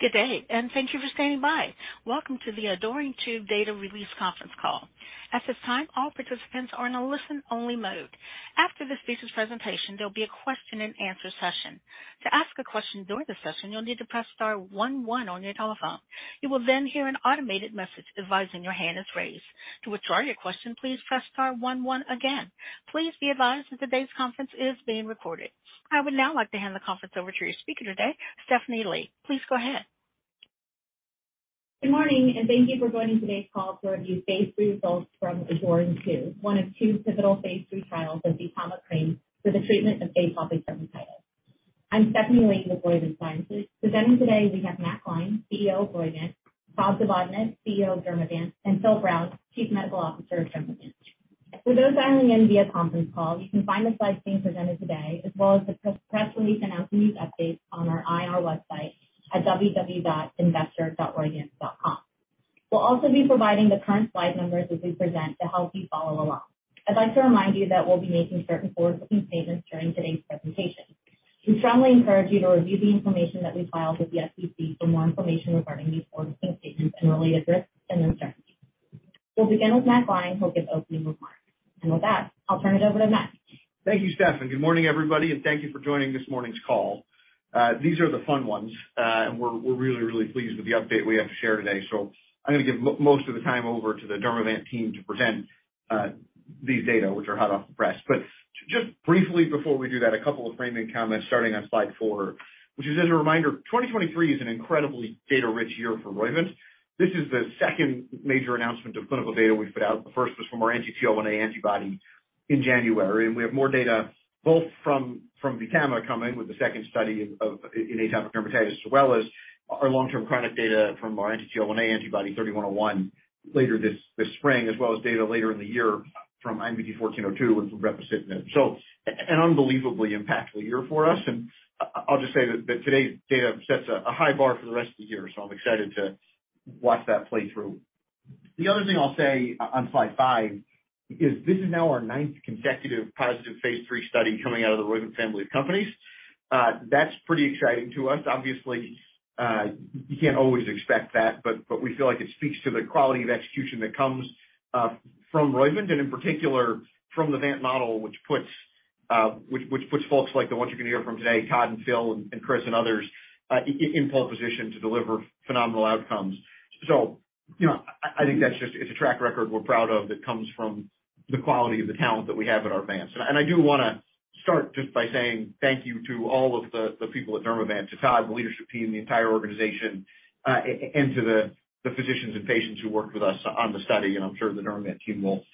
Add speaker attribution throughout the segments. Speaker 1: Good day, and thank you for standing by. Welcome to the ADORING 2 data release conference call. At this time, all participants are in a listen-only mode. After the speaker's presentation, there'll be a question and answer session. To ask a question during the session, you'll need to press star one one on your telephone. You will then hear an automated message advising your hand is raised. To withdraw your question, please press star one one again. Please be advised that today's conference is being recorded. I would now like to hand the conference over to your speaker today, Stephanie Lee. Please go ahead.
Speaker 2: Good morning, thank you for joining today's call for review phase III results from ADORING 2, one of two pivotal phase III trials of the VTAMA cream for the treatment of atopic dermatitis. I'm Stephanie Lee with Roivant Sciences. Presenting today we have Matt Gline, CEO of Roivant, Todd Zavodnick, CEO of Dermavant, and Phil Brown, Chief Medical Officer of Dermavant. For those dialing in via conference call, you can find the slides being presented today as well as the press release announcing these updates on our IR website at www.investor.roivant.com. We'll also be providing the current slide numbers as we present to help you follow along. I'd like to remind you that we'll be making certain forward-looking statements during today's presentation. We strongly encourage you to review the information that we filed with the SEC for more information regarding these forward-looking statements and related risks and uncertainties. We'll begin with Matt Gline, who will give opening remarks. With that, I'll turn it over to Matt.
Speaker 3: Thank you, Stephanie. Good morning, everybody, thank you for joining this morning's call. These are the fun ones. We're really, really pleased with the update we have to share today. I'm gonna give most of the time over to the Dermavant team to present these data, which are hot off the press. Just briefly before we do that, a couple of framing comments starting on slide four, which is as a reminder, 2023 is an incredibly data-rich year for Roivant. This is the second major announcement of clinical data we've put out. The first was from our anti-TL1A antibody in January, we have more data both from VTAMA coming with the second study of, in atopic dermatitis, as well as our long-term chronic data from our anti-TL1A antibody 3101 later this spring, as well as data later in the year from IMVT-1402 and from brepocitinib. An unbelievably impactful year for us. I'll just say that today's data sets a high bar for the rest of the year, so I'm excited to watch that play through. The other thing I'll say on slide five is this is now our 9th consecutive positive phase III study coming out of the Roivant family of companies. That's pretty exciting to us. Obviously, you can't always expect that, but we feel like it speaks to the quality of execution that comes from Roivant and in particular from the Vant model, which puts folks like the ones you're gonna hear from today, Todd and Phil and Chris and others, in pole position to deliver phenomenal outcomes. You know, I think that's just. It's a track record we're proud of that comes from the quality of the talent that we have at our Vants. I do wanna start just by saying thank you to all of the people at Dermavant, to Todd, the leadership team, the entire organization, and to the physicians and patients who worked with us on the study. I'm sure the Dermavant team will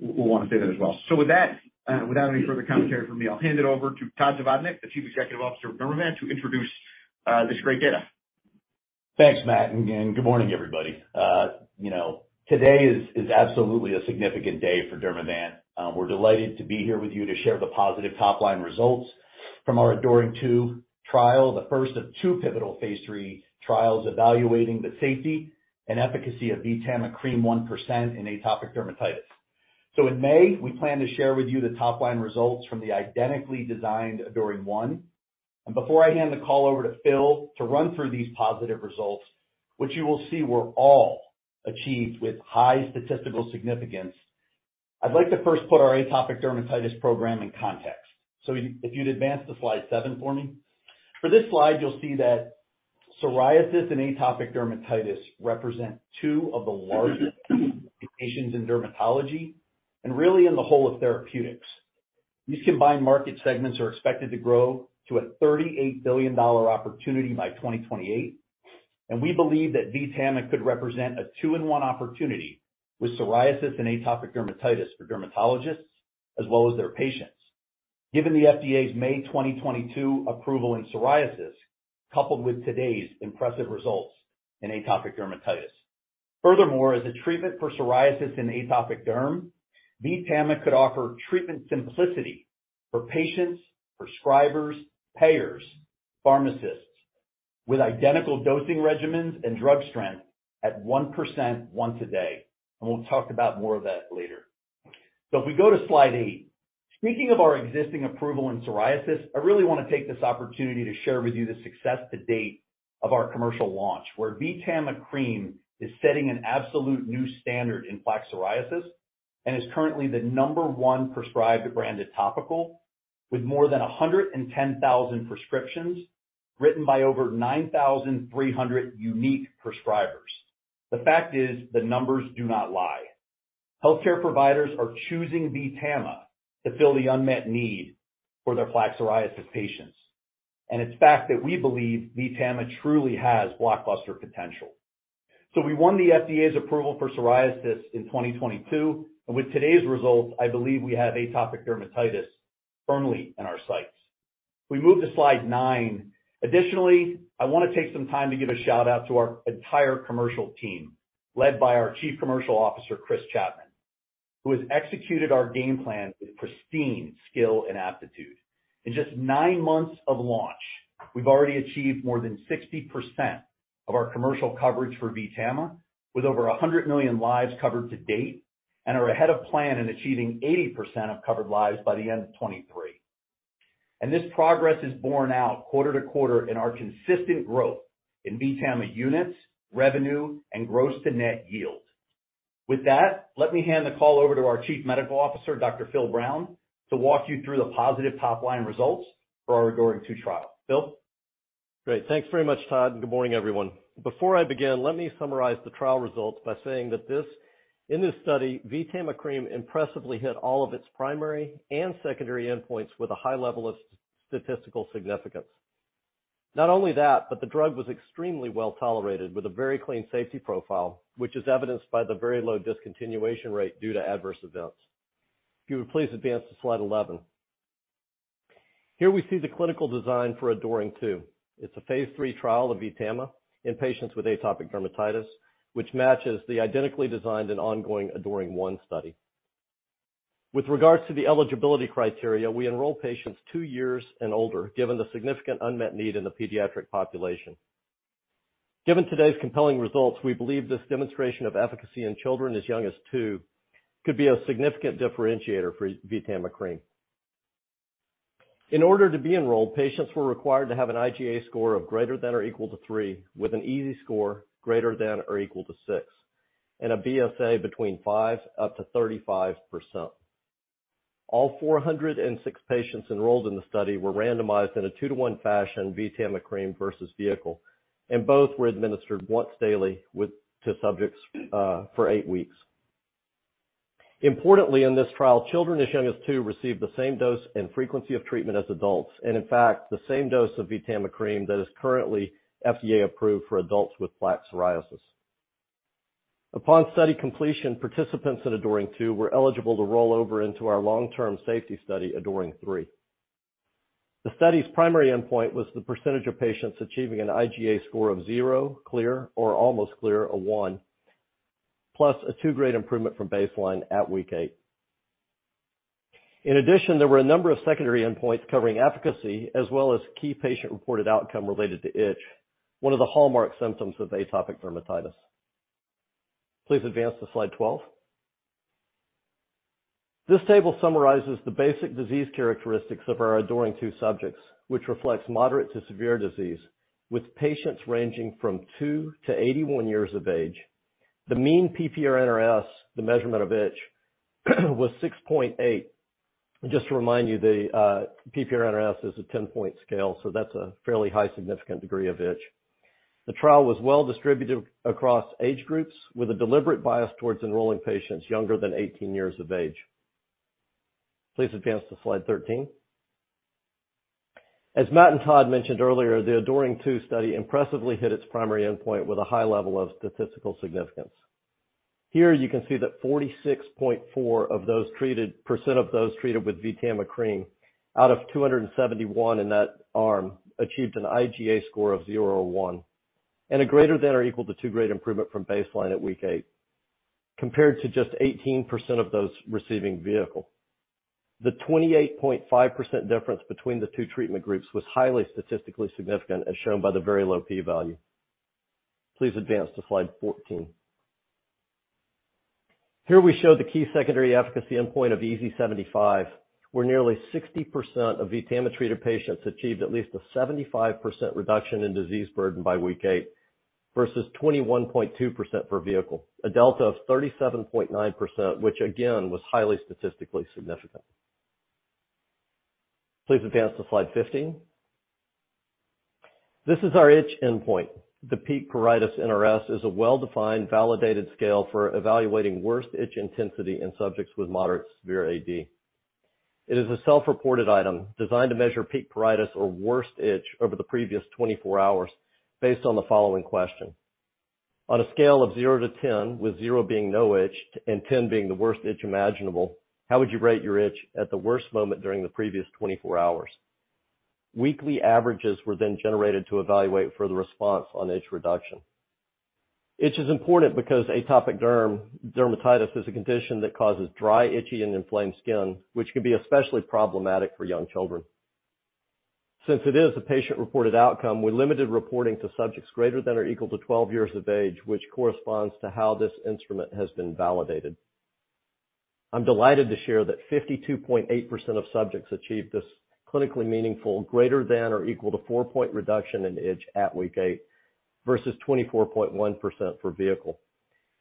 Speaker 3: wanna say that as well. With that, without any further commentary from me, I'll hand it over to Todd Zavodnick, the Chief Executive Officer of Dermavant, to introduce this great data.
Speaker 4: Thanks, Matt. Good morning, everybody. You know, today is absolutely a significant day for Dermavant. We're delighted to be here with you to share the positive top-line results from our ADORING 2 trial, the first of two pivotal phase III trials evaluating the safety and efficacy of VTAMA cream, 1% in atopic dermatitis. In May, we plan to share with you the top-line results from the identically designed ADORING 1. Before I hand the call over to Phil to run through these positive results, which you will see were all achieved with high statistical significance, I'd like to first put our atopic dermatitis program in context. If you'd advance to slide seven for me. For this slide, you'll see that psoriasis and atopic dermatitis represent two of the largest patients in dermatology and really in the whole of therapeutics. These combined market segments are expected to grow to a $38 billion opportunity by 2028, we believe that VTAMA could represent a 2-in-1 opportunity with psoriasis and atopic dermatitis for dermatologists as well as their patients given the FDA's May 2022 approval in psoriasis, coupled with today's impressive results in atopic dermatitis. Furthermore, as a treatment for psoriasis and atopic derm, VTAMA could offer treatment simplicity for patients, prescribers, payers, pharmacists with identical dosing regimens and drug strength at 1% once a day. We'll talk about more of that later. If we go to slide eight. Speaking of our existing approval in psoriasis, I really wanna take this opportunity to share with you the success to date of our commercial launch, where VTAMA cream is setting an absolute new standard in plaque psoriasis and is currently the number one prescribed branded topical with more than 110,000 prescriptions written by over 9,300 unique prescribers. The fact is, the numbers do not lie. Healthcare providers are choosing VTAMA to fill the unmet need for their plaque psoriasis patients, and it's fact that we believe VTAMA truly has blockbuster potential. We won the FDA's approval for psoriasis in 2022, and with today's results, I believe we have atopic dermatitis firmly in our sights. If we move to slide nine. Additionally, I wanna take some time to give a shout-out to our entire commercial team, led by our Chief Commercial Officer, Chris Chapman, who has executed our game plan with pristine skill and aptitude. In just nine months of launch, we've already achieved more than 60% of our commercial coverage for VTAMA, with over $100 million lives covered to date, and are ahead of plan in achieving 80% of covered lives by the end of 2023. This progress is borne out quarter-to-quarter in our consistent growth in VTAMA units, revenue and gross-to-net yield. With that, let me hand the call over to our Chief Medical Officer, Dr. Phil Brown, to walk you through the positive top line results for our ADORING 2 trial. Phil?
Speaker 5: Great. Thanks very much, Todd, and good morning, everyone. Before I begin, let me summarize the trial results by saying that in this study, VTAMA cream impressively hit all of its primary and secondary endpoints with a high level of statistical significance. Not only that, the drug was extremely well-tolerated with a very clean safety profile, which is evidenced by the very low discontinuation rate due to adverse events. If you would please advance to slide 11. Here we see the clinical design for ADORING 2. It's a phase III trial of VTAMA in patients with atopic dermatitis, which matches the identically designed and ongoing ADORING 1 study. With regards to the eligibility criteria, we enroll patients two years and older, given the significant unmet need in the pediatric population. Given today's compelling results, we believe this demonstration of efficacy in children as young as two could be a significant differentiator for VTAMA cream. In order to be enrolled, patients were required to have an IGA score of greater than or equal to three, with an EASI score greater than or equal to six, and a BSA between 5% up to 35%. All 406 patients enrolled in the study were randomized in a two to one fashion, VTAMA cream versus vehicle, and both were administered once daily to subjects for eight weeks. Importantly, in this trial, children as young as two received the same dose and frequency of treatment as adults, and in fact, the same dose of VTAMA cream that is currently FDA approved for adults with plaque psoriasis. Upon study completion, participants in ADORING 2 were eligible to roll over into our long-term safety study, ADORING 3. The study's primary endpoint was the percentage of patients achieving an IGA score of zero, clear or almost clear, a one, plus a two-grade improvement from baseline at week eight. In addition, there were a number of secondary endpoints covering efficacy as well as key patient-reported outcome related to itch, one of the hallmark symptoms of atopic dermatitis. Please advance to slide 12. This table summarizes the basic disease characteristics of our ADORING 2 subjects, which reflects moderate to severe disease, with patients ranging from two to 81 years of age. The mean PP-NRS, the measurement of itch, was 6.8. Just to remind you, the PP-NRS is a 10-point scale, so that's a fairly high significant degree of itch. The trial was well distributed across age groups with a deliberate bias towards enrolling patients younger than 18 years of age. Please advance to slide 13. As Matt and Todd mentioned earlier, the ADORING 2 study impressively hit its primary endpoint with a high level of statistical significance. Here you can see that 46.4% of those treated with VTAMA cream, out of 271 in that arm, achieved an IGA score of zero or one, and a greater than or equal to two-grade improvement from baseline at week eight, compared to just 18% of those receiving vehicle. The 28.5% difference between the two treatment groups was highly statistically significant as shown by the very low P value. Please advance to slide 14. Here we show the key secondary efficacy endpoint of EASI 75, where nearly 60% of VTAMA-treated patients achieved at least a 75% reduction in disease burden by week eight versus 21.2% for vehicle. A delta of 37.9%, which again, was highly statistically significant. Please advance to slide 15. This is our itch endpoint. The Peak Pruritus NRS is a well-defined, validated scale for evaluating worst itch intensity in subjects with moderate to severe AD. It is a self-reported item designed to measure peak pruritus or worst itch over the previous 24 hours based on the following question. On a scale of zero to 10, with zero being no itch and 10 being the worst itch imaginable, how would you rate your itch at the worst moment during the previous 24 hours? Weekly averages were generated to evaluate further response on itch reduction. Itch is important because atopic dermatitis is a condition that causes dry, itchy, and inflamed skin, which can be especially problematic for young children. Since it is a patient-reported outcome, we limited reporting to subjects greater than or equal to 12 years of age, which corresponds to how this instrument has been validated. I'm delighted to share that 52.8% of subjects achieved this clinically meaningful greater than or equal to four-point reduction in itch at week eight versus 24.1% for vehicle.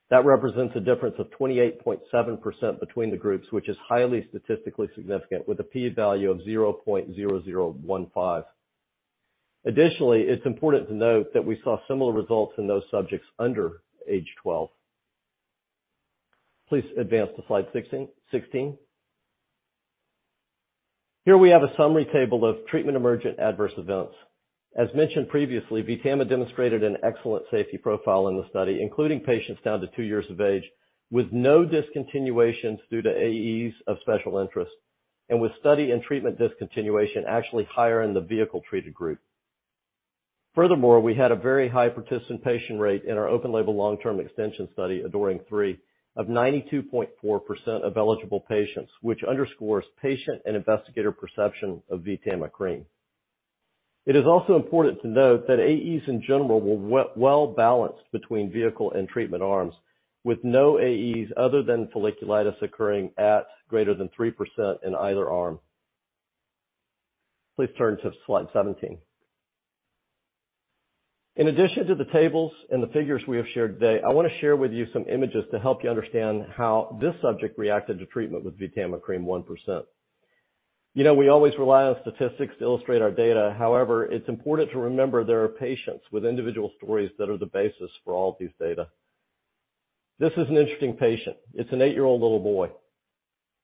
Speaker 5: That represents a difference of 28.7% between the groups, which is highly statistically significant with a P value of 0.0015. Additionally, it's important to note that we saw similar results in those subjects under age 12. Please advance to slide 16. Here we have a summary table of treatment-emergent adverse events. As mentioned previously, VTAMA demonstrated an excellent safety profile in the study, including patients down to two years of age, with no discontinuations due to AEs of special interest, and with study and treatment discontinuation actually higher in the vehicle-treated group. We had a very high participant patient rate in our open-label long-term extension study, ADORING 3, of 92.4% of eligible patients, which underscores patient and investigator perception of VTAMA cream. It is also important to note that AEs in general were well balanced between vehicle and treatment arms, with no AEs other than folliculitis occurring at greater than 3% in either arm. Please turn to slide 17. In addition to the tables and the figures we have shared today, I wanna share with you some images to help you understand how this subject reacted to treatment with VTAMA cream, 1%. You know, we always rely on statistics to illustrate our data. However, it's important to remember there are patients with individual stories that are the basis for all of these data. This is an interesting patient. It's an eight-year-old little boy.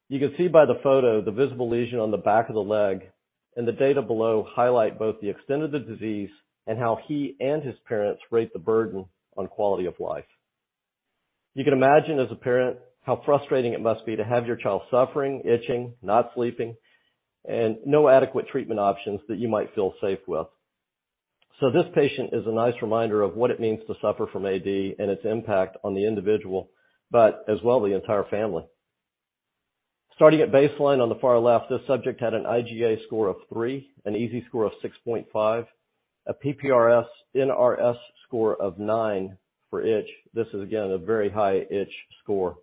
Speaker 5: You can see by the photo the visible lesion on the back of the leg, and the data below highlight both the extent of the disease and how he and his parents rate the burden on quality of life. You can imagine, as a parent, how frustrating it must be to have your child suffering, itching, not sleeping, and no adequate treatment options that you might feel safe with. This patient is a nice reminder of what it means to suffer from AD and its impact on the individual, but as well, the entire family. Starting at baseline on the far left, this subject had an IGA score of three, an EASI score of 6.5, a PP-NRS score of nine for itch. This is again a very high itch score.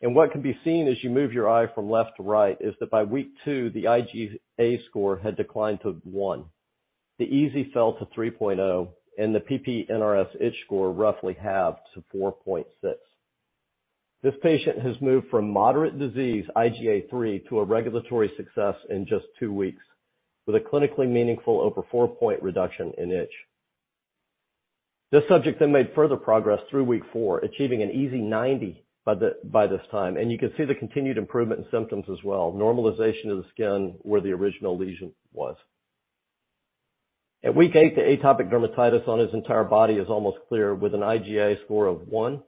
Speaker 5: What can be seen as you move your eye from left to right is that by week two, the IGA score had declined to one. The EASI fell to 3.0, and the PP NRS itch score roughly halved to 4.6. This patient has moved from moderate disease IGA three to a regulatory success in just two weeks with a clinically meaningful over four-point reduction in itch. This subject then made further progress through week four, achieving an EASI 90 by this time, and you can see the continued improvement in symptoms as well, normalization of the skin where the original lesion was. At week eight, the atopic dermatitis on his entire body is almost clear with an IGA score of one,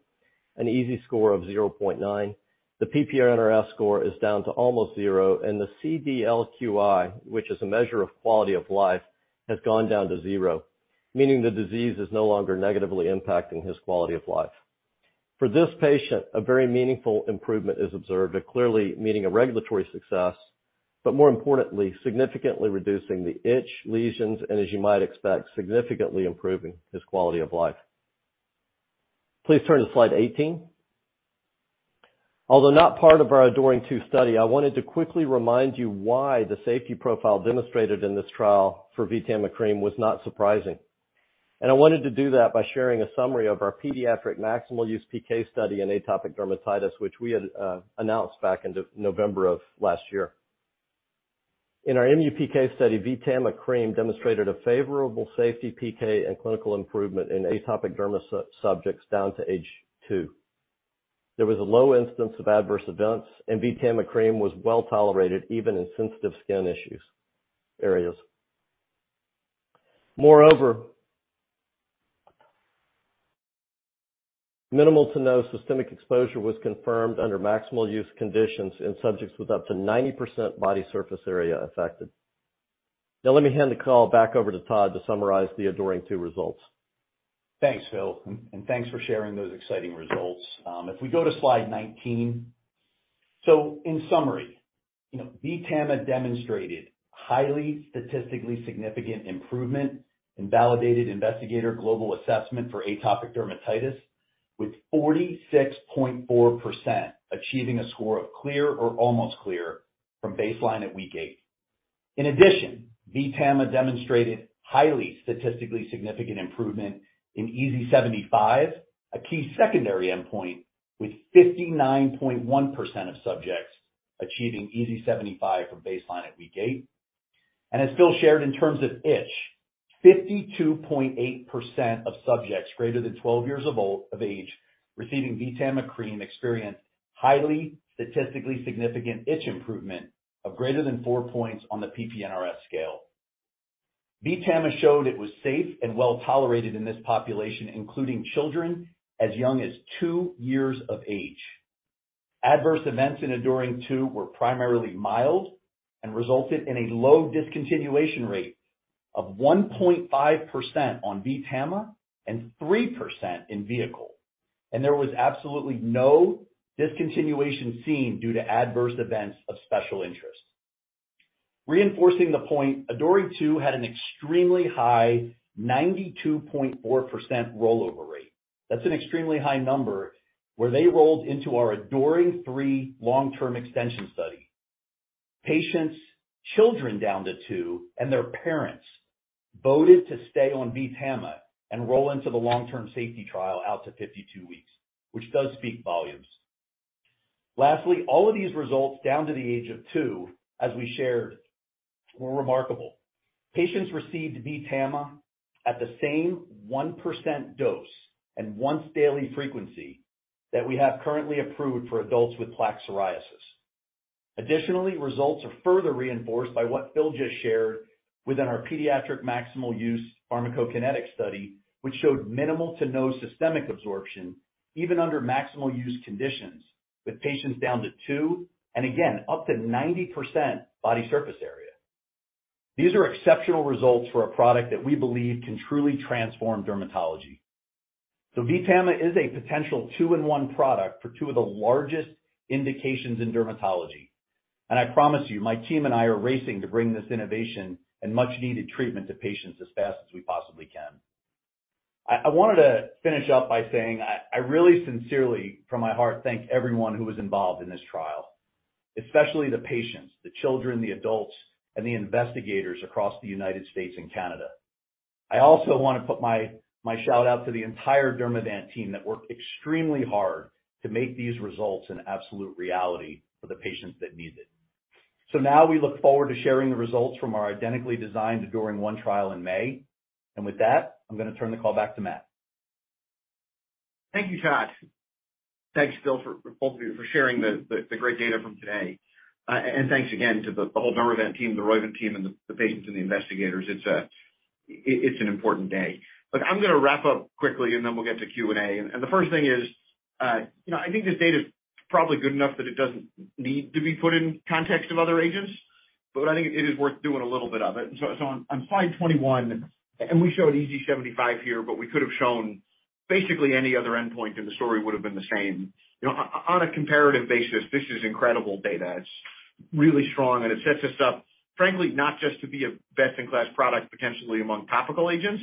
Speaker 5: an EASI score of 0.9. The PP NRS score is down to almost zero, and the CDLQI, which is a measure of quality of life, has gone down to zero, meaning the disease is no longer negatively impacting his quality of life. For this patient, a very meaningful improvement is observed, clearly meeting a regulatory success, but more importantly, significantly reducing the itch, lesions, and as you might expect, significantly improving his quality of life. Please turn to slide 18. Although not part of our ADORING 2 study, I wanted to quickly remind you why the safety profile demonstrated in this trial for VTAMA cream was not surprising. I wanted to do that by sharing a summary of our pediatric maximal use PK study in atopic dermatitis, which we had announced back in November of last year. In our MUPK study, VTAMA cream demonstrated a favorable safety PK and clinical improvement in atopic derma sub-subjects down to age two. There was a low instance of adverse events, and VTAMA cream was well-tolerated, even in sensitive skin issues, areas. Moreover, minimal to no systemic exposure was confirmed under maximal use conditions in subjects with up to 90% body surface area affected. Let me hand the call back over to Todd to summarize the ADORING 2 results.
Speaker 4: Thanks, Phil, and thanks for sharing those exciting results. If we go to slide 19. In summary, you know, VTAMA demonstrated highly statistically significant improvement in validated investigator global assessment for atopic dermatitis, with 46.4% achieving a score of clear or almost clear from baseline at week eight. In addition, VTAMA demonstrated highly statistically significant improvement in EASI 75, a key secondary endpoint with 59.1% of subjects achieving EASI 75 from baseline at week eight. As Phil shared, in terms of itch, 52.8% of subjects greater than 12 years of age receiving VTAMA cream experienced highly statistically significant itch improvement of greater than four points on the PP-NRS scale. VTAMA showed it was safe and well-tolerated in this population, including children as young as two years of age. Adverse events in ADORING 2 were primarily mild and resulted in a low discontinuation rate of 1.5% on VTAMA and 3% in vehicle. There was absolutely no discontinuation seen due to adverse events of special interest. Reinforcing the point, ADORING 2 had an extremely high 92.4% rollover rate. That's an extremely high number where they rolled into our ADORING 3 long-term extension study. Patients, children down to two, and their parents voted to stay on VTAMA and roll into the long-term safety trial out to 52 weeks, which does speak volumes. Lastly, all of these results down to the age of two, as we shared, were remarkable. Patients received VTAMA at the same 1% dose and once daily frequency that we have currently approved for adults with plaque psoriasis. Additionally, results are further reinforced by what Phil just shared within our pediatric maximal use pharmacokinetic study, which showed minimal to no systemic absorption, even under maximal use conditions with patients down to two and again, up to 90% body surface area. These are exceptional results for a product that we believe can truly transform dermatology. VTAMA is a potential 2-in-1 product for two of the largest indications in dermatology. I promise you, my team and I are racing to bring this innovation and much-needed treatment to patients as fast as we possibly can. I wanted to finish up by saying I really sincerely, from my heart, thank everyone who was involved in this trial, especially the patients, the children, the adults, and the investigators across the United States and Canada. I also want to put my shout out to the entire Dermavant team that worked extremely hard to make these results an absolute reality for the patients that need it. Now we look forward to sharing the results from our identically designed ADORING 1 trial in May. With that, I'm gonna turn the call back to Matt.
Speaker 3: Thank you, Todd. Thanks, Phil, for both of you for sharing the great data from today. Thanks again to the whole Dermavant team, the Roivant team and the patients and the investigators. It's an important day. Look, I'm gonna wrap up quickly and then we'll get to Q&A. The first thing is, you know, I think this data is probably good enough that it doesn't need to be put in context of other agents. I think it is worth doing a little bit of it. On slide 21, and we showed EASI 75 here, but we could have shown basically any other endpoint, and the story would have been the same. You know, on a comparative basis, this is incredible data. It's really strong, and it sets us up, frankly, not just to be a best-in-class product potentially among topical agents,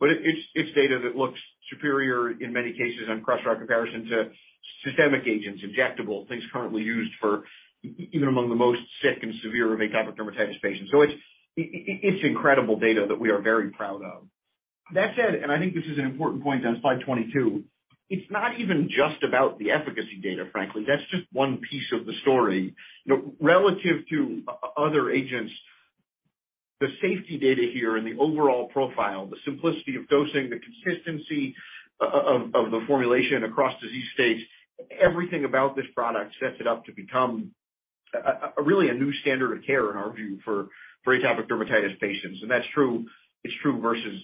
Speaker 3: but it's data that looks superior in many cases and across our comparison to systemic agents, injectable, things currently used for even among the most sick and severe of atopic dermatitis patients. It's incredible data that we are very proud of. That said, I think this is an important point on slide 22, it's not even just about the efficacy data, frankly. That's just one piece of the story. You know, relative to other agents, the safety data here and the overall profile, the simplicity of dosing, the consistency of the formulation across disease states, everything about this product sets it up to become a really a new standard of care, in our view, for atopic dermatitis patients. That's true. It's true versus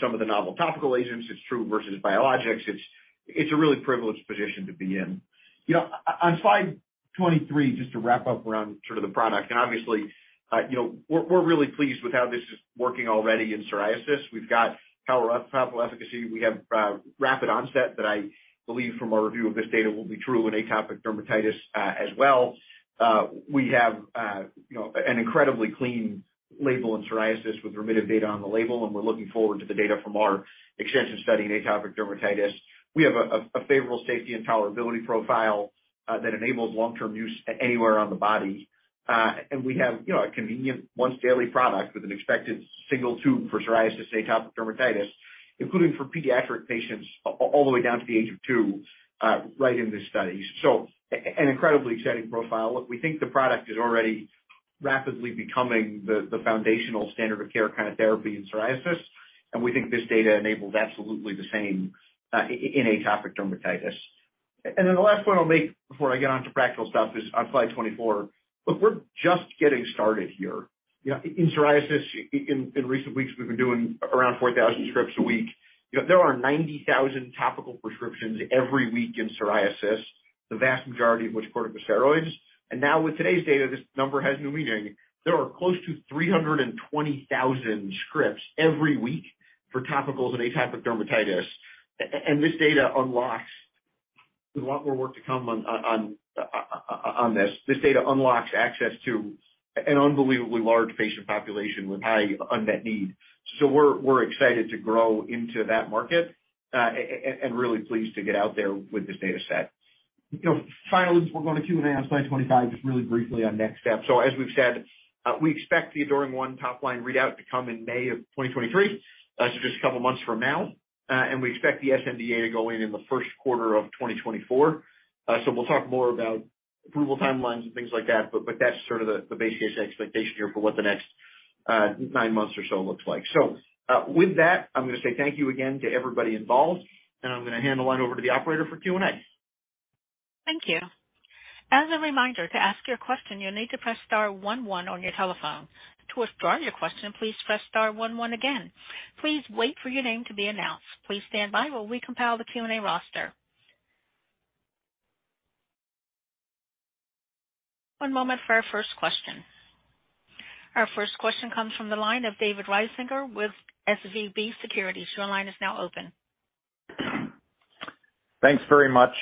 Speaker 3: some of the novel topical agents. It's true versus biologics. It's a really privileged position to be in. You know, on slide 23, just to wrap up around sort of the product, and obviously, you know, we're really pleased with how this is working already in psoriasis. We've got powerful efficacy. We have rapid onset that I believe from our review of this data will be true in atopic dermatitis as well. We have, you know, an incredibly clean label in psoriasis with remitted data on the label, and we're looking forward to the data from our extension study in atopic dermatitis. We have a favorable safety and tolerability profile that enables long-term use anywhere on the body. We have, you know, a convenient once-daily product with an expected single tube for psoriasis, atopic dermatitis, including for pediatric patients all the way down to the age of two, right in this study. An incredibly exciting profile. Look, we think the product is already rapidly becoming the foundational standard of care kind of therapy in psoriasis, and we think this data enables absolutely the same in atopic dermatitis. Then the last point I'll make before I get on to practical stuff is on slide 24. Look, we're just getting started here. You know, in psoriasis, in recent weeks, we've been doing around 4,000 scripts a week. You know, there are 90,000 topical prescriptions every week in psoriasis, the vast majority of which corticosteroids. And now with today's data, this number has new meaning. There are close to 320,000 scripts every week for topicals and atopic dermatitis. This data unlocks. There's a lot more work to come on this. This data unlocks access to an unbelievably large patient population with high unmet need. We're excited to grow into that market and really pleased to get out there with this data set. You know, finally, we're going to Q&A on slide 25, just really briefly on next steps. As we've said, we expect the ADORING 1 top line readout to come in May of 2023, so just a couple months from now. We expect the sNDA to go in in the first quarter of 2024. We'll talk more about approval timelines and things like that, but that's sort of the base case expectation here for what the next nine months or so looks like. With that, I'm gonna say thank you again to everybody involved, and I'm gonna hand the line over to the operator for Q&A.
Speaker 1: Thank you. As a reminder, to ask your question, you'll need to press star one one on your telephone. To withdraw your question, please press star one one again. Please wait for your name to be announced. Please stand by while we compile the Q&A roster. One moment for our first question. Our first question comes from the line of David Risinger with SVB Securities. Your line is now open.
Speaker 6: Thanks very much,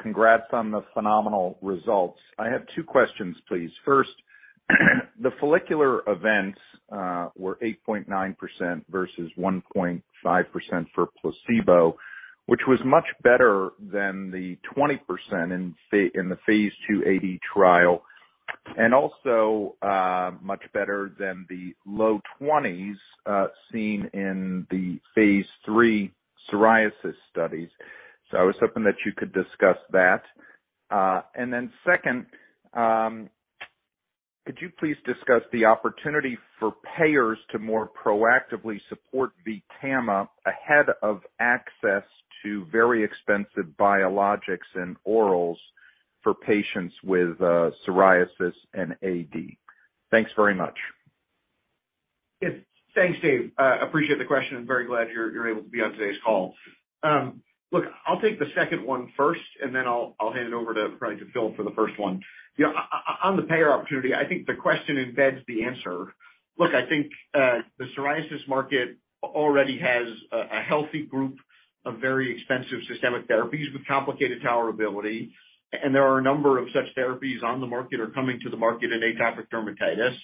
Speaker 6: congrats on the phenomenal results. I have two questions, please. First, the follicular events were 8.9% versus 1.5% for placebo, which was much better than the 20% in the phase II AD trial and also much better than the low twenties seen in the phase III psoriasis studies. I was hoping that you could discuss that. Second, could you please discuss the opportunity for payers to more proactively support VTAMA ahead of access to very expensive biologics and orals for patients with psoriasis and AD? Thanks very much.
Speaker 3: Yes. Thanks, Dave. Appreciate the question and very glad you're able to be on today's call. Look, I'll take the second one first, and then I'll hand it over probably to Phil for the first one. You know, on the payer opportunity, I think the question embeds the answer. Look, I think the psoriasis market already has a healthy group of very expensive systemic therapies with complicated tolerability, and there are a number of such therapies on the market or coming to the market in atopic dermatitis.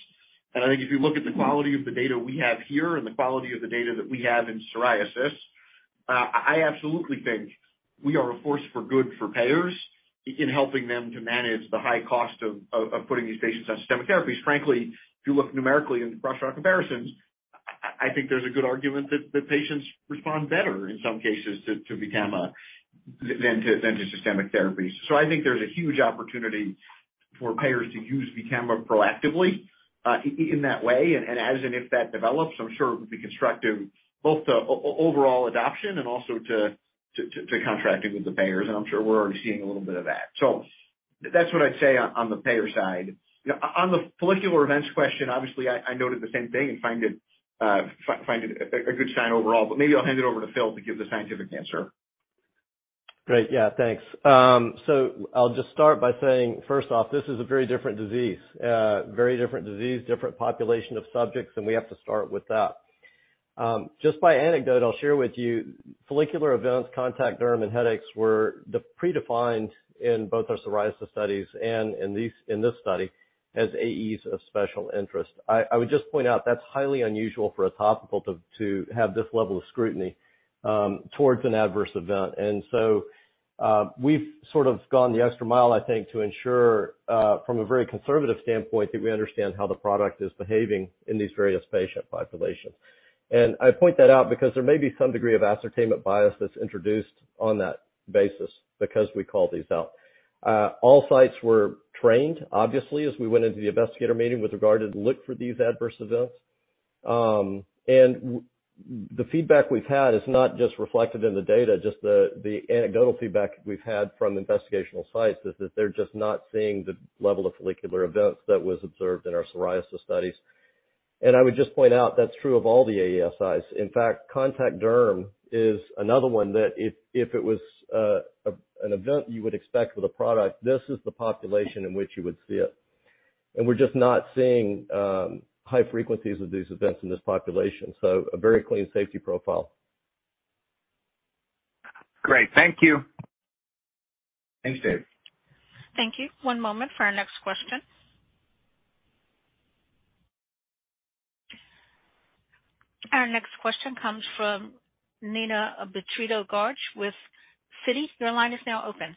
Speaker 3: I think if you look at the quality of the data we have here and the quality of the data that we have in psoriasis, I absolutely think we are a force for good for payers in helping them to manage the high cost of putting these patients on systemic therapies. Frankly, if you look numerically in the cross-trial comparisons, I think there's a good argument that the patients respond better in some cases to VTAMA than to systemic therapies. I think there's a huge opportunity for payers to use VTAMA proactively in that way. As and if that develops, I'm sure it would be constructive both to overall adoption and also to contracting with the payers. I'm sure we're already seeing a little bit of that. That's what I'd say on the payer side. On the follicular events question, obviously, I noted the same thing and find it a good sign overall, but maybe I'll hand it over to Phil to give the scientific answer.
Speaker 5: Great. Yeah, thanks. I'll just start by saying, first off, this is a very different disease, very different disease, different population of subjects, and we have to start with that. Just by anecdote, I'll share with you follicular events, contact dermatitis and headaches were the predefined in both our psoriasis studies and in this study as AEs of special interest. I would just point out that's highly unusual for a topical to have this level of scrutiny towards an adverse event. We've sort of gone the extra mile, I think, to ensure, from a very conservative standpoint, that we understand how the product is behaving in these various patient populations. I point that out because there may be some degree of ascertainment bias that's introduced on that basis because we call these out. All sites were trained, obviously, as we went into the investigator meeting with regard to look for these adverse events. The feedback we've had is not just reflected in the data, just the anecdotal feedback we've had from investigational sites is that they're just not seeing the level of follicular events that was observed in our psoriasis studies. I would just point out that's true of all the EASIs. In fact, contact dermatitis is another one that if it was an event you would expect with a product, this is the population in which you would see it. We're just not seeing high frequencies of these events in this population. A very clean safety profile.
Speaker 6: Great. Thank you.
Speaker 5: Thanks, Dave.
Speaker 1: Thank you. One moment for our next question. Our next question comes from Neena Bitritto-Garg with Citi. Your line is now open.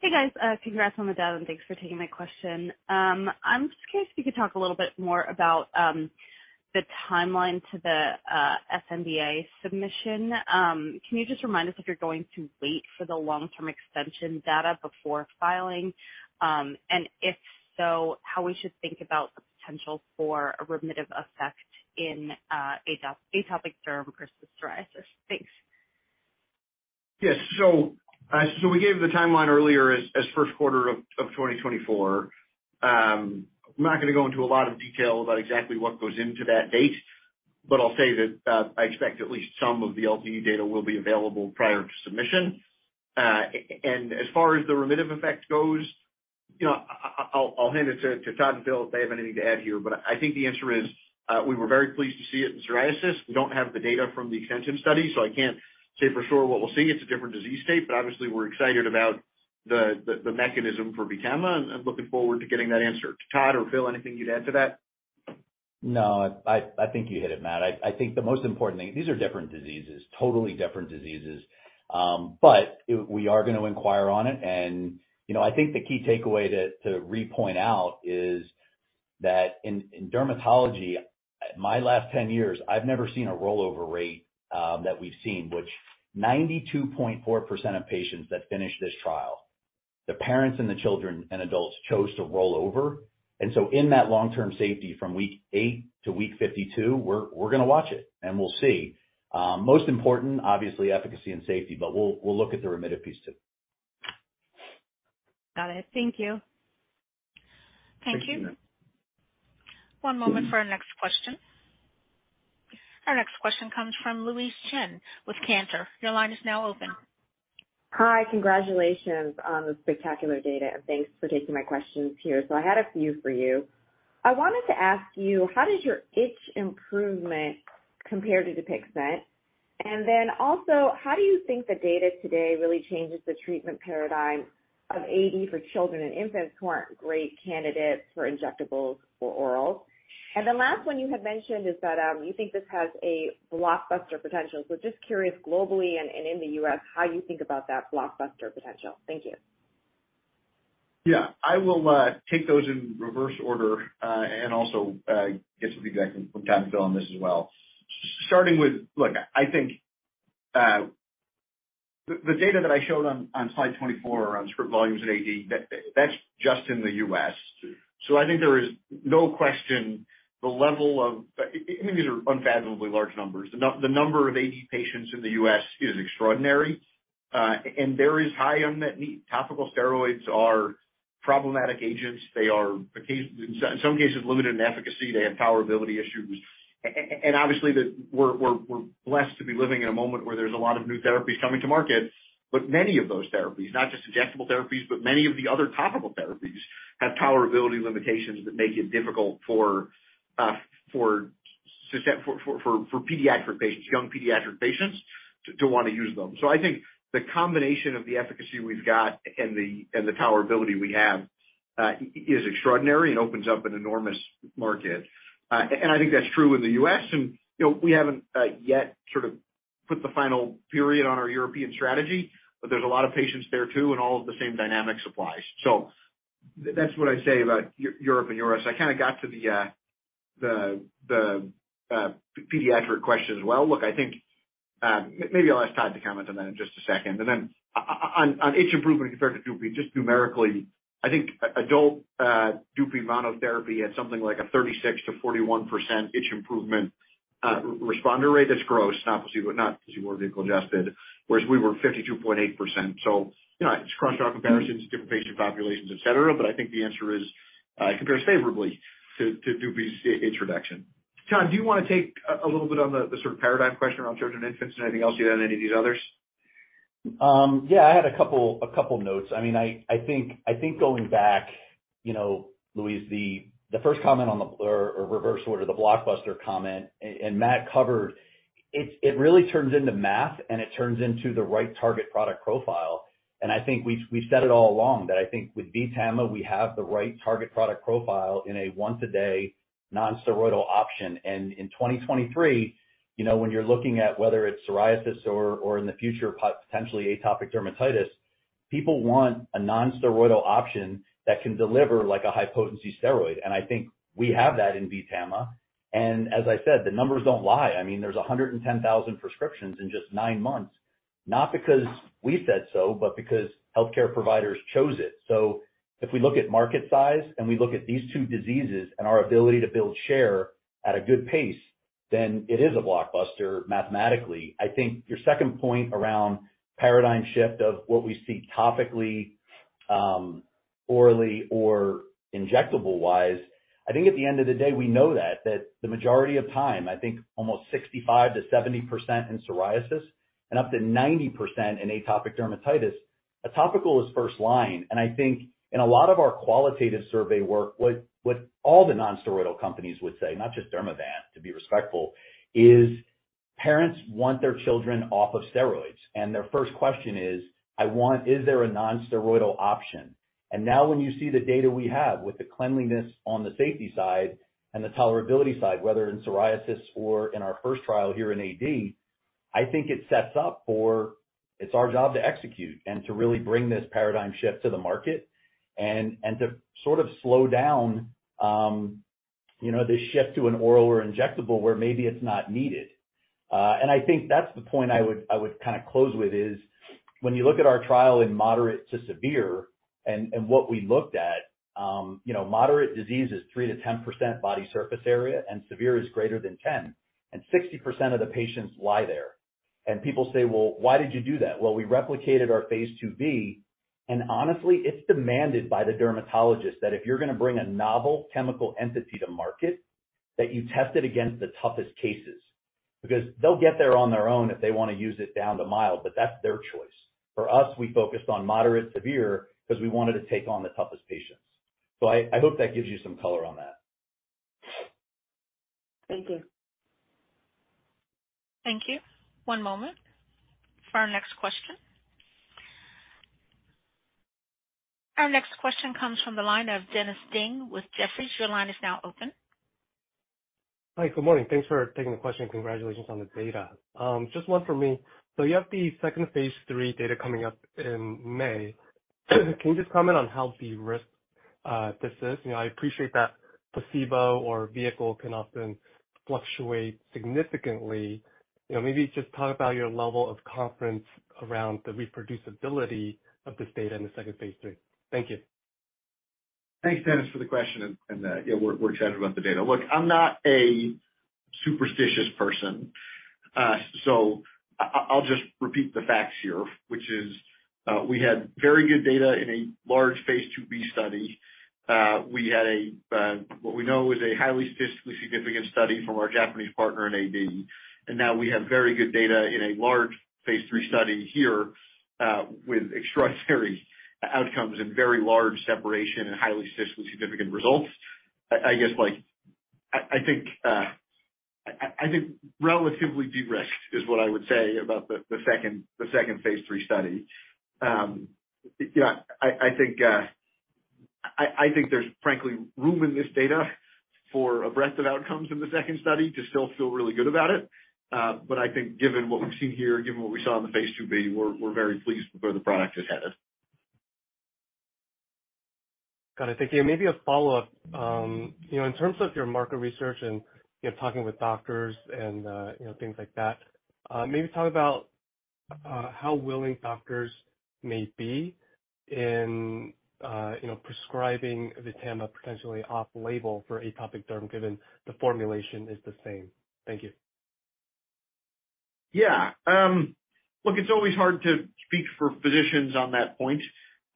Speaker 7: Hey, guys. Congrats on the data, thanks for taking my question. I'm just curious if you could talk a little bit more about the timeline to the sNDA submission. Can you just remind us if you're going to wait for the long-term extension data before filing? If so, how we should think about the potential for a remittive effect in atopic derm versus psoriasis? Thanks.
Speaker 3: Yes. We gave the timeline earlier as first quarter of 2024. I'm not gonna go into a lot of detail about exactly what goes into that date, but I'll say that I expect at least some of the LT data will be available prior to submission. As far as the remittive effect goes, you know, I'll hand it to Todd and Phil if they have anything to add here. I think the answer is, we were very pleased to see it in psoriasis. We don't have the data from the extension study, I can't say for sure what we'll see. It's a different disease state, obviously, we're excited about the mechanism for VTAMA and looking forward to getting that answer. Todd or Phil, anything you'd add to that?
Speaker 5: No, I think you hit it, Matt. I think the most important thing, these are different diseases, totally different diseases. We are gonna inquire on it. You know, I think the key takeaway to repoint out is that in dermatology, my last 10 years, I've never seen a rollover rate that we've seen, which 92.4% of patients that finish this trial, the parents and the children and adults chose to roll over. In that long-term safety from week eight to week 52, we're gonna watch it and we'll see. Most important, obviously, efficacy and safety, we'll look at the remittive piece too.
Speaker 7: Got it. Thank you.
Speaker 1: Thank you.
Speaker 3: Thank you.
Speaker 1: One moment for our next question. Our next question comes from Louise Chen with Cantor. Your line is now open.
Speaker 8: Hi. Congratulations on the spectacular data, and thanks for taking my questions here. I had a few for you. I wanted to ask you, how does your itch improvement compare to Dupixent? Then also, how do you think the data today really changes the treatment paradigm of AD for children and infants who aren't great candidates for injectables or orals? The last one you had mentioned is that, you think this has a blockbuster potential. Just curious globally and in the U.S., how you think about that blockbuster potential. Thank you.
Speaker 3: Yeah. I will take those in reverse order, and also get some feedback from Todd and Phil on this as well. Starting with, look, I think the data that I showed on slide 24 around script volumes at AD, that's just in the U.S. I think there is no question the level of... I think these are unfathomably large numbers. The number of AD patients in the U.S. is extraordinary, and there is high unmet need. Topical steroids are problematic agents, they are in some cases limited in efficacy. They have tolerability issues. Obviously we're blessed to be living in a moment where there's a lot of new therapies coming to market, but many of those therapies, not just injectable therapies, but many of the other topical therapies, have tolerability limitations that make it difficult for pediatric patients, young pediatric patients to wanna use them. I think the combination of the efficacy we've got and the tolerability we have, is extraordinary and opens up an enormous market. I think that's true in the U.S., and you know, we haven't yet sort of put the final period on our European strategy, but there's a lot of patients there too, and all of the same dynamics applies. That's what I say about Europe and U.S. I kind of got to the pediatric question as well. Look, I think, maybe I'll ask Todd to comment on that in just a second. On itch improvement compared to Dupi, just numerically, I think adult Dupi monotherapy at something like a 36%-41% itch improvement responder rate. That's gross, not placebo, not placebo or vehicle-adjusted, whereas we were 52.8%. You know, it's cross trial comparisons, different patient populations, et cetera, but I think the answer is, it compares favorably to Dupixent introduction. Todd, do you wanna take a little bit on the sort of paradigm question around children, infants, and anything else you have on any of these others?
Speaker 4: Yeah, I had a couple notes. I mean, I think going back, you know Louise, the first comment or reverse order, the blockbuster comment, and Matt covered, it really turns into math, and it turns into the right target product profile. I think we said it all along, that I think with VTAMA, we have the right target product profile in a once a day non-steroidal option. In 2023, you know, when you're looking at whether it's psoriasis or in the future, potentially atopic dermatitis, people want a non-steroidal option that can deliver like a high-potency steroid. I think we have that in VTAMA. As I said, the numbers don't lie. I mean, there's 110,000 prescriptions in just nine months, not because we said so, but because healthcare providers chose it. If we look at market size, and we look at these two diseases and our ability to build share at a good pace, then it is a blockbuster mathematically. I think your second point around paradigm shift of what we see topically, orally or injectable wise, I think at the end of the day, we know that the majority of time, I think almost 65%-70% in psoriasis and up to 90% in atopic dermatitis, a topical is first line. I think in a lot of our qualitative survey work, what all the non-steroidal companies would say, not just Dermavant, to be respectful, is parents want their children off of steroids. Their first question is, "Is there a non-steroidal option?" Now when you see the data we have with the cleanliness on the safety side and the tolerability side, whether in psoriasis or in our first trial here in AD, I think it sets up for, it's our job to execute and to really bring this paradigm shift to the market and to sort of slow down, you know, this shift to an oral or injectable where maybe it's not needed. I think that's the point I would kind of close with is when you look at our trial in moderate to severe and what we looked at, you know, moderate disease is 3%-10% body surface area, and severe is greater than 10, and 60% of the patients lie there. People say, "Well, why did you do that?" Well, we replicated our phase II-B, and honestly, it's demanded by the dermatologist that if you're gonna bring a novel chemical entity to market, that you test it against the toughest cases because they'll get there on their own if they wanna use it down to mild, but that's their choice. For us, we focused on moderate severe because we wanted to take on the toughest patients. I hope that gives you some color on that.
Speaker 8: Thank you.
Speaker 1: Thank you. One moment for our next question. Our next question comes from the line of Dennis Ding with Jefferies. Your line is now open.
Speaker 9: Hi. Good morning. Thanks for taking the question. Congratulations on the data. Just one for me. You have the second phase III data coming up in May. Can you just comment on how the risk, this is? You know, I appreciate that placebo or vehicle can often fluctuate significantly. You know, maybe just talk about your level of confidence around the reproducibility of this data in the second phase III. Thank you.
Speaker 3: Thanks, Dennis, for the question. Yeah, we're excited about the data. Look, I'm not a superstitious person. I'll just repeat the facts here, which is, we had very good data in a large phase IIb study. We had a, what we know is a highly statistically significant study from our Japanese partner in AD. Now we have very good data in a large phase III study here, with extraordinary outcomes and very large separation and highly statistically significant results. I guess like I think relatively de-risked is what I would say about the second, the second phase III study. You know, I think there's frankly room in this data for a breadth of outcomes in the second study to still feel really good about it. I think given what we've seen here, given what we saw in the phase II-B, we're very pleased with where the product has headed.
Speaker 9: Got it. Thank you. Maybe a follow-up. You know, in terms of your market research and, you know, talking with doctors and, you know, things like that, maybe talk about how willing doctors may be in, you know, prescribing the VTAMA potentially off label for atopic derm given the formulation is the same. Thank you.
Speaker 3: Yeah. Look, it's always hard to speak for physicians on that point.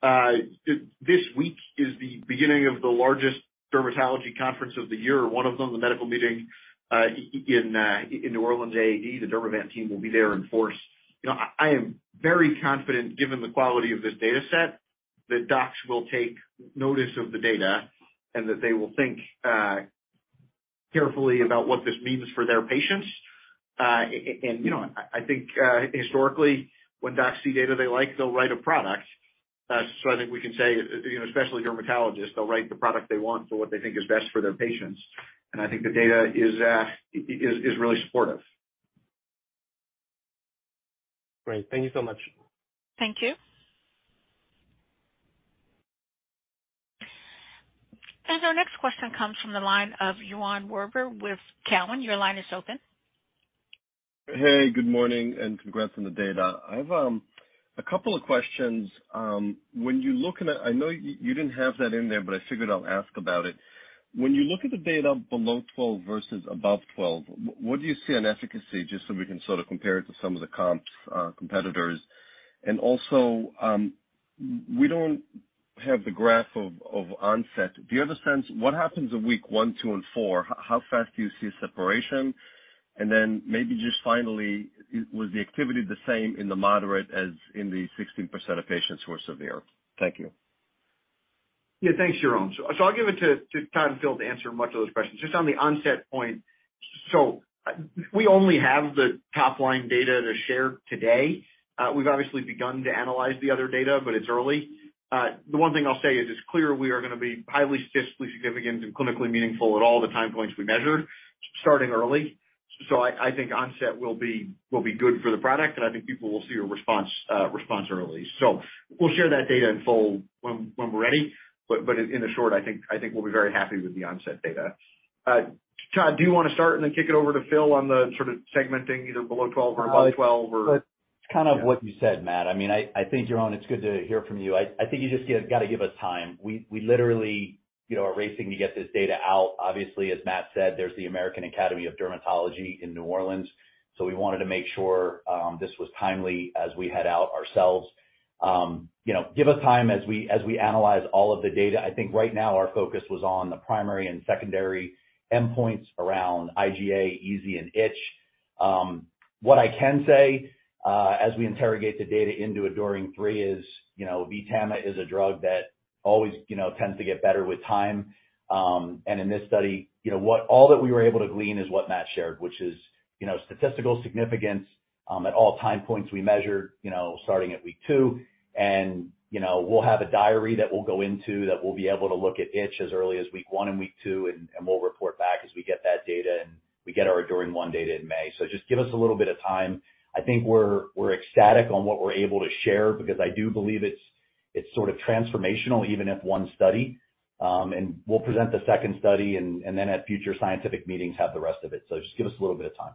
Speaker 3: This week is the beginning of the largest dermatology conference of the year, one of them, the medical meeting, in New Orleans, AAD. The Dermavant team will be there in force. You know, I am very confident given the quality of this data set, that docs will take notice of the data and that they will think carefully about what this means for their patients. You know, I think historically, when docs see data they like, they'll write a product. I think we can say, you know, especially dermatologists, they'll write the product they want for what they think is best for their patients. I think the data is really supportive.
Speaker 9: Great. Thank you so much.
Speaker 1: Thank you. Our next question comes from the line of Yaron Werber with Cowen. Your line is open.
Speaker 10: Hey, good morning, and congrats on the data. I've a couple of questions. When you look at... I know you didn't have that in there, but I figured I'll ask about it. When you look at the data below 12 versus above 12, what do you see on efficacy, just so we can sort of compare it to some of the comps, competitors? We don't have the graph of onset. Do you have a sense what happens in week one, two, and four, how fast do you see separation? Maybe just finally, was the activity the same in the moderate as in the 16% of patients who are severe? Thank you.
Speaker 3: Yeah, thanks, Yaron. I'll give it to Todd and Phil to answer much of those questions. Just on the onset point. We only have the top line data to share today. We've obviously begun to analyze the other data, but it's early. The one thing I'll say is it's clear we are gonna be highly statistically significant and clinically meaningful at all the time points we measured, starting early. I think onset will be good for the product, and I think people will see a response early. We'll share that data in full when we're ready, but in the short, I think we'll be very happy with the onset data. Todd, do you wanna start and then kick it over to Phil on the sort of segmenting either below 12 or above 12, or?
Speaker 4: It's kind of what you said, Matt. I mean, I think, Yaron, it's good to hear from you. I think you just gotta give us time. We literally, you know, are racing to get this data out. Obviously, as Matt said, there's the American Academy of Dermatology in New Orleans, we wanted to make sure this was timely as we head out ourselves. You know, give us time as we analyze all of the data. I think right now our focus was on the primary and secondary endpoints around IGA, EASI, and itch. What I can say as we interrogate the data into ADORING 3 is, you know, VTAMA is a drug that always, you know, tends to get better with time. In this study, you know, all that we were able to glean is what Matt shared, which is, you know, statistical significance at all time points we measured, you know, starting at week two. You know, we'll have a diary that we'll go into that we'll be able to look at itch as early as week one and week two, and we'll report back as we get that data and we get our ADORING 1 data in May. Just give us a little bit of time. I think we're ecstatic on what we're able to share because I do believe it's sort of transformational, even if one study. We'll present the second study and then at future scientific meetings have the rest of it. Just give us a little bit of time.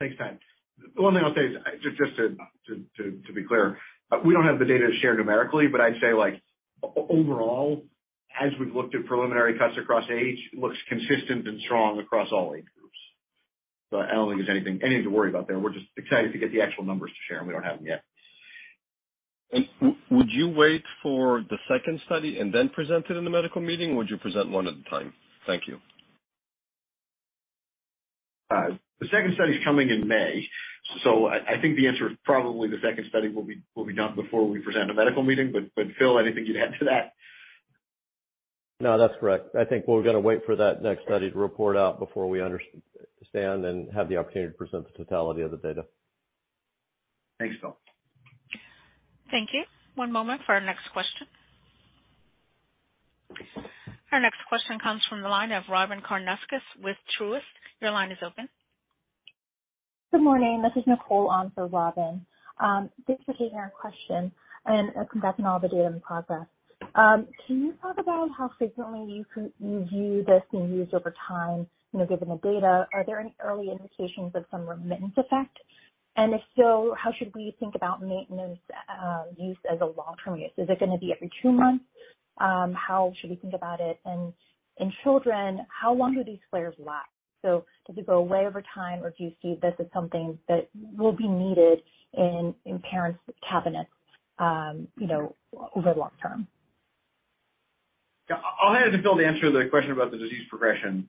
Speaker 3: Thanks, Todd. One thing I'll say is just to be clear, we don't have the data to share numerically. I'd say like overall, as we've looked at preliminary tests across age, looks consistent and strong across all age groups. I don't think there's anything to worry about there. We're just excited to get the actual numbers to share. We don't have them yet.
Speaker 10: Would you wait for the second study and then present it in the medical meeting, or would you present one at a time? Thank you.
Speaker 3: The second study's coming in May. I think the answer is probably the second study will be done before we present a medical meeting. Phil, anything you'd add to that?
Speaker 5: No, that's correct. I think we're gonna wait for that next study to report out before we understand and have the opportunity to present the totality of the data.
Speaker 10: Thanks, Phil.
Speaker 1: Thank you. One moment for our next question. Our next question comes from the line of Robyn Karnauskas with Truist. Your line is open.
Speaker 11: Good morning. This is Nicole on for Robyn. Thanks for taking our question and congrats on all the data in progress. Can you talk about how frequently you view this being used over time, you know, given the data? Are there any early indications of some remittance effect? If so, how should we think about maintenance use as a long-term use? Is it gonna be every two months? How should we think about it? In children, how long do these flares last? Does it go away over time, or do you see this as something that will be needed in parents' cabinets, you know, over long term?
Speaker 3: Yeah. I'll hand it to Phil to answer the question about the disease progression.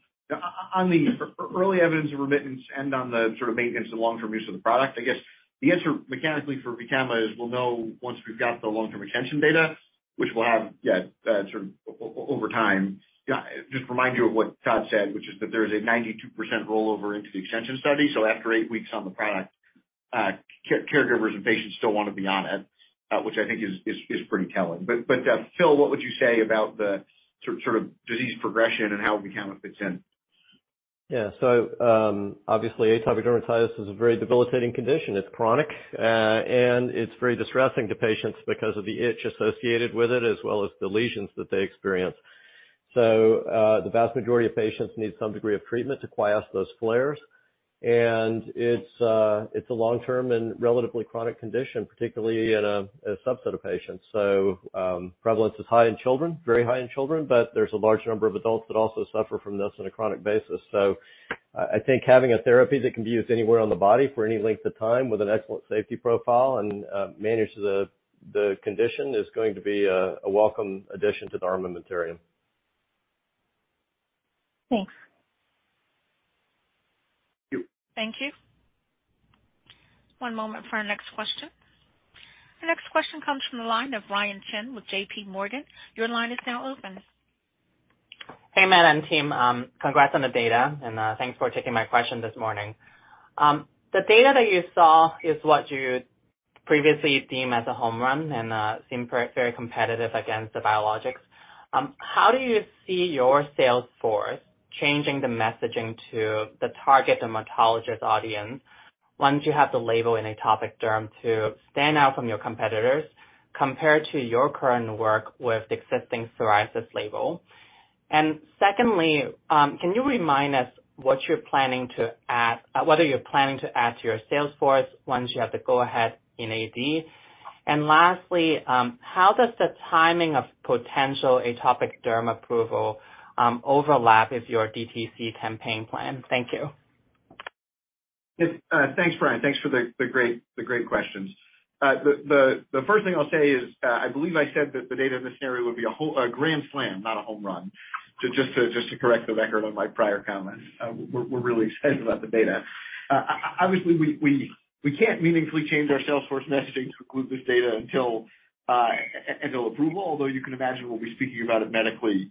Speaker 3: On the early evidence of remittance and on the sort of maintenance and long-term use of the product, I guess the answer mechanically for VTAMA is we'll know once we've got the long-term retention data, which we'll have, yeah, sort of over time. Just remind you of what Todd said, which is that there's a 92% rollover into the extension study. After 8 weeks on the product, caregivers and patients still wanna be on it, which I think is pretty telling. Phil, what would you say about the sort of disease progression and how VTAMA fits in?
Speaker 5: Yeah. obviously atopic dermatitis is a very debilitating condition. It's chronic, and it's very distressing to patients because of the itch associated with it as well as the lesions that they experience. The vast majority of patients need some degree of treatment to quiet those flares. It's a long-term and relatively chronic condition, particularly in a subset of patients. Prevalence is high in children, very high in children, but there's a large number of adults that also suffer from this on a chronic basis. I think having a therapy that can be used anywhere on the body for any length of time with an excellent safety profile and manage the condition is going to be a welcome addition to the armamentarium.
Speaker 11: Thanks.
Speaker 3: Thank you.
Speaker 1: Thank you. One moment for our next question. The next question comes from the line of Ryan Chen with JPMorgan. Your line is now open.
Speaker 12: Hey, Matt and team. Congrats on the data, and thanks for taking my question this morning. The data that you saw is what you previously deemed as a home run and seemed very, very competitive against the biologics. How do you see your sales force changing the messaging to the target dermatologist audience once you have the label in atopic derm to stand out from your competitors compared to your current work with the existing psoriasis label? Secondly, can you remind us what are you planning to add to your sales force once you have the go-ahead in AD? Lastly, how does the timing of potential atopic derm approval overlap with your DTC campaign plan? Thank you.
Speaker 3: Yes. Thanks, Ryan. Thanks for the great questions. The first thing I'll say is, I believe I said that the data in this scenario would be a grand slam, not a home run. Just to correct the record on my prior comments, we're really excited about the data. Obviously, we can't meaningfully change our sales force messaging to include this data until approval, although you can imagine we'll be speaking about it medically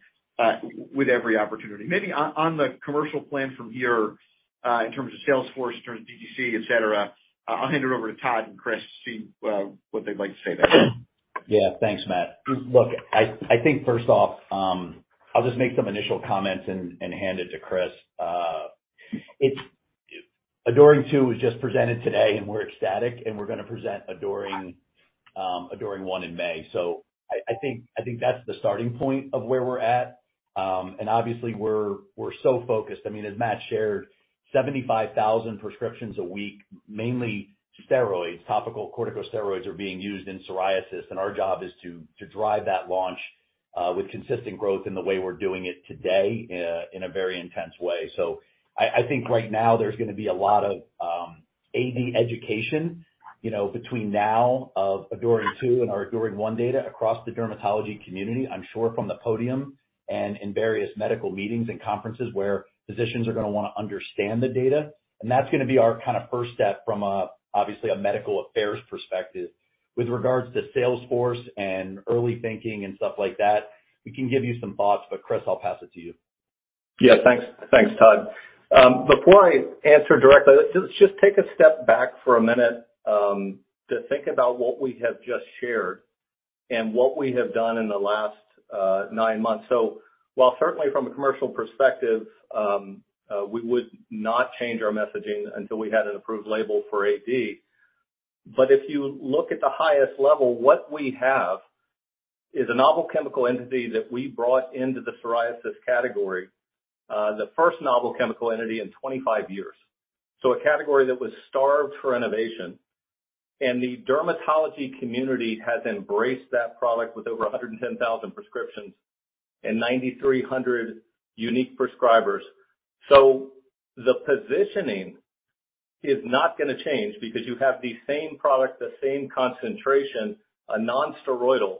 Speaker 3: with every opportunity. Maybe on the commercial plan from here, in terms of sales force, in terms of DTC, et cetera, I'll hand it over to Todd and Chris to see what they'd like to say there.
Speaker 4: Yeah. Thanks, Matt. Look, I think first off, I'll just make some initial comments and hand it to Chris. ADORING 2 was just presented today, and we're ecstatic, and we're gonna present ADORING 1 in May. I think that's the starting point of where we're at. Obviously we're so focused. I mean, as Matt shared, 75,000 prescriptions a week, mainly steroids, topical corticosteroids are being used in psoriasis, our job is to drive that launch with consistent growth in the way we're doing it today in a very intense way. I think right now there's gonna be a lot of AD education, you know, between now of ADORING 2 and our ADORING 1 data across the dermatology community. I'm sure from the podium and in various medical meetings and conferences where physicians are gonna wanna understand the data, and that's gonna be our kinda first step from a, obviously a medical affairs perspective. With regards to sales force and early thinking and stuff like that, we can give you some thoughts, but Chris, I'll pass it to you.
Speaker 13: Yeah. Thanks. Thanks, Todd. Before I answer directly, let's just take a step back for a minute, to think about what we have just shared and what we have done in the last nine months. While certainly from a commercial perspective, we would not change our messaging until we had an approved label for AD. If you look at the highest level, what we have is a novel chemical entity that we brought into the psoriasis category, the first novel chemical entity in 25 years. A category that was starved for innovation. The dermatology community has embraced that product with over 110,000 prescriptions and 9,300 unique prescribers. The positioning is not gonna change because you have the same product, the same concentration, a non-steroidal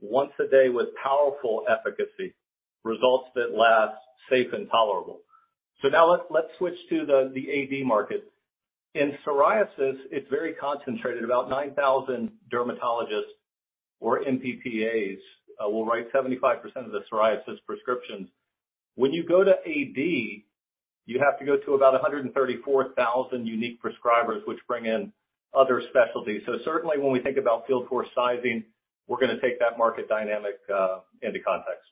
Speaker 13: once a day with powerful efficacy, results that last, safe and tolerable. Now let's switch to the AD market. In psoriasis, it's very concentrated. About 9,000 dermatologists or NPTAs will write 75% of the psoriasis prescriptions. When you go to AD, you have to go to about 134,000 unique prescribers, which bring in other specialties. Certainly when we think about field force sizing, we're gonna take that market dynamic into context.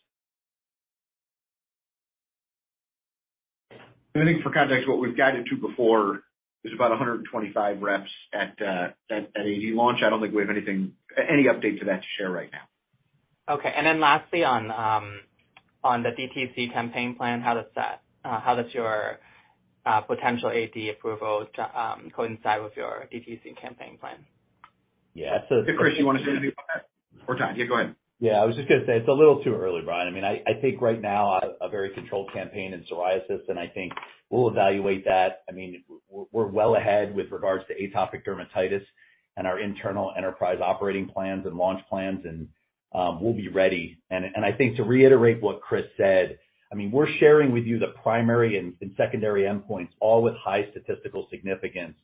Speaker 13: I think for context, what we've guided to before is about 125 reps at AD launch. I don't think we have any update to that to share right now.
Speaker 12: Okay. Lastly, on the DTC campaign plan, how does that, how does your potential AD approval coincide with your DTC campaign plan?
Speaker 4: Yeah.
Speaker 3: Hey, Chris, you wanna say anything on that? Or Todd? Yeah, go ahead.
Speaker 4: Yeah, I was just gonna say it's a little too early, Ryan. I mean, I think right now a very controlled campaign in psoriasis, and I think we'll evaluate that. I mean, we're well ahead with regards to atopic dermatitis and our internal enterprise operating plans and launch plans and, we'll be ready. I think to reiterate what Chris said, I mean, we're sharing with you the primary and secondary endpoints, all with high statistical significance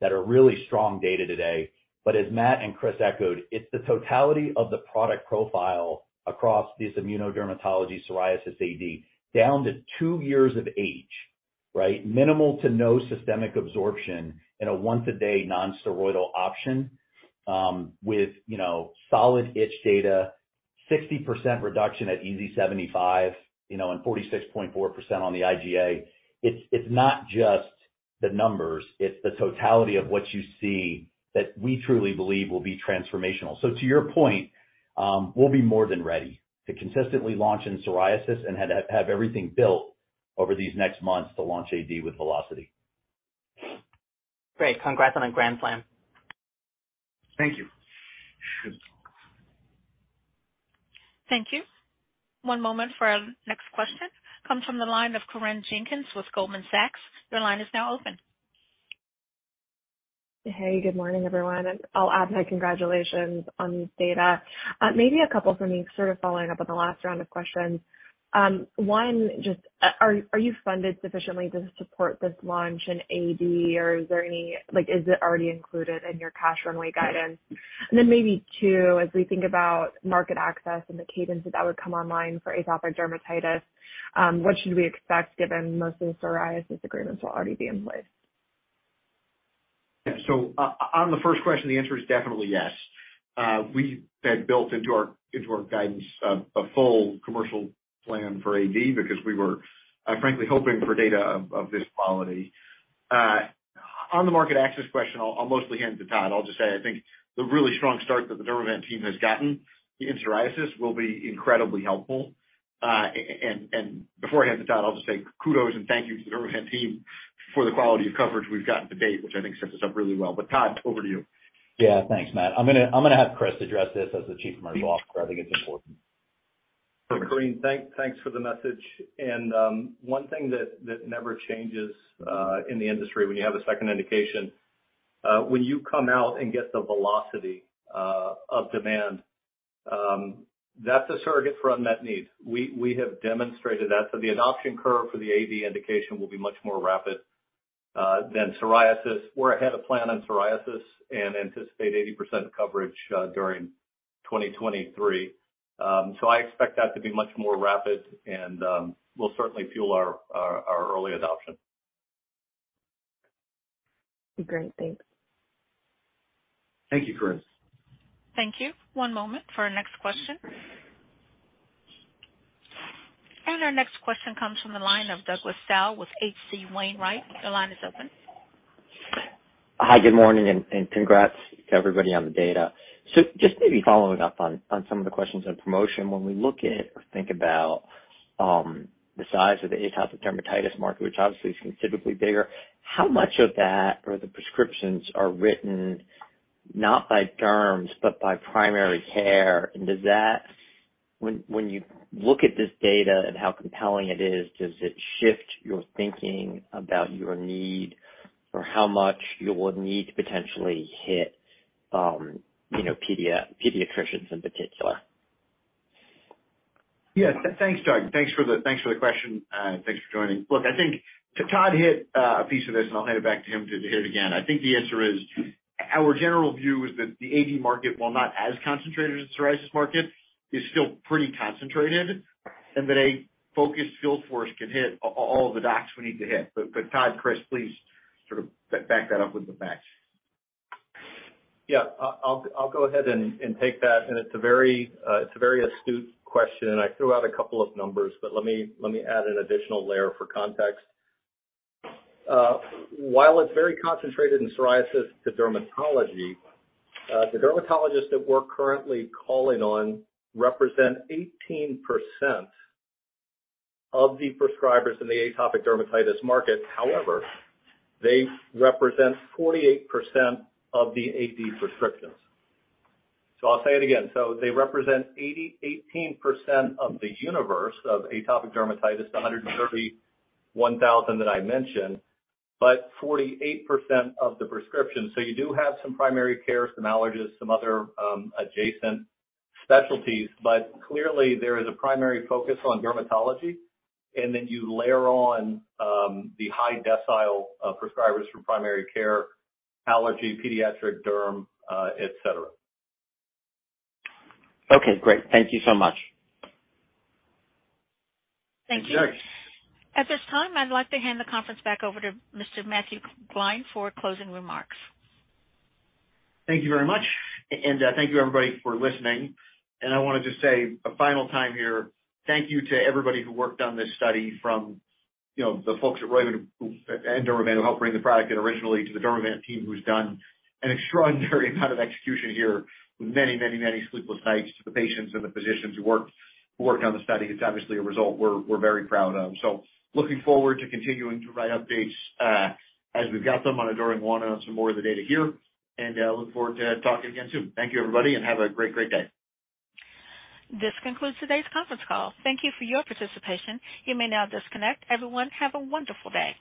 Speaker 4: that are really strong data today. As Matt and Chris echoed, it's the totality of the product profile across these immunodermatology, psoriasis AD down to two years of age, right? Minimal to no systemic absorption in a once a day non-steroidal option, with, you know, solid itch data, 60% reduction at EASI 75, you know, and 46.4% on the IGA. It's not just the numbers, it's the totality of what you see that we truly believe will be transformational. To your point, we'll be more than ready to consistently launch in psoriasis and have everything built over these next months to launch AD with velocity.
Speaker 12: Great. Congrats on a grand slam.
Speaker 13: Thank you.
Speaker 1: Thank you. One moment for our next question. Comes from the line of Corinne Jenkins with Goldman Sachs. Your line is now open.
Speaker 14: Hey, good morning, everyone, I'll add my congratulations on this data. Maybe a couple for me sort of following up on the last round of questions. One, just, are you funded sufficiently to support this launch in AD or is there any, like, is it already included in your cash runway guidance? Then maybe two, as we think about market access and the cadence that that would come online for atopic dermatitis, what should we expect given most of the psoriasis agreements will already be in place?
Speaker 3: Yeah. On the first question, the answer is definitely yes. We had built into our guidance a full commercial plan for AD because we were, frankly, hoping for data of this quality. On the market access question, I'll mostly hand to Todd. I'll just say I think the really strong start that the Dermavant team has gotten in psoriasis will be incredibly helpful. And before I hand to Todd, I'll just say kudos and thank you to the Dermavant team for the quality of coverage we've gotten to date, which I think sets us up really well. Todd, over to you.
Speaker 4: Yeah. Thanks, Matt. I'm gonna have Chris address this as the chief commercial officer. I think it's important.
Speaker 13: Corinne, thanks for the message. One thing that never changes in the industry when you have a second indication, when you come out and get the velocity of demand, that's a surrogate for unmet needs. We have demonstrated that. The adoption curve for the AD indication will be much more rapid than psoriasis. We're ahead of plan on psoriasis and anticipate 80% coverage during 2023. I expect that to be much more rapid and will certainly fuel our early adoption.
Speaker 14: Great. Thanks.
Speaker 3: Thank you, Corinne.
Speaker 1: Thank you. One moment for our next question. Our next question comes from the line of Douglas Tsao with H.C. Wainwright. Your line is open.
Speaker 15: Hi, good morning, and congrats to everybody on the data. Just maybe following up on some of the questions on promotion. When we look at or think about the size of the atopic dermatitis market, which obviously is considerably bigger, how much of that or the prescriptions are written not by derms, but by primary care? Does that when you look at this data and how compelling it is, does it shift your thinking about your need or how much you would need to potentially hit, you know, pediatricians in particular?
Speaker 3: Yes. Thanks, Doug. Thanks for the question and thanks for joining. Look, I think Todd hit a piece of this, and I'll hand it back to him to hit it again. I think the answer is, our general view is that the AD market, while not as concentrated as the psoriasis market, is still pretty concentrated and that a focused field force can hit all of the docs we need to hit. Todd, Chris, please sort of back that up with the facts.
Speaker 13: Yeah. I'll go ahead and take that. It's a very, it's a very astute question, and I threw out a couple of numbers, but let me add an additional layer for context. While it's very concentrated in psoriasis to dermatology, the dermatologists that we're currently calling on represent 18% of the prescribers in the atopic dermatitis market. However, they represent 48% of the AD prescriptions. I'll say it again. They represent 18% of the universe of atopic dermatitis, the 131,000 that I mentioned, but 48% of the prescriptions. You do have some primary care, some allergists, some other, adjacent specialties, but clearly there is a primary focus on dermatology. Then you layer on the high decile prescribers from primary care, allergy, pediatric, derm, et cetera.
Speaker 15: Okay. Great. Thank you so much.
Speaker 13: Thank you.
Speaker 1: Thank you. At this time, I'd like to hand the conference back over to Mr. Matt Gline for closing remarks.
Speaker 3: Thank you very much, thank you everybody for listening. I wanna just say a final time here, thank you to everybody who worked on this study from, you know, the folks at Roivant and Dermavant who helped bring the product in originally to the Dermavant team who's done an extraordinary amount of execution here with many, many, many sleepless nights to the patients and the physicians who worked on the study. It's obviously a result we're very proud of. Looking forward to continuing to provide updates as we've got them on ADORING 1 on some more of the data here. Look forward to talking again soon. Thank you everybody, and have a great day.
Speaker 1: This concludes today's conference call. Thank you for your participation. You may now disconnect. Everyone, have a wonderful day.